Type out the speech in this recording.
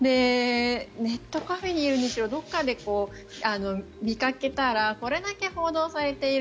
ネットカフェにいるにしろどこかで見かけたらこれだけ報道されている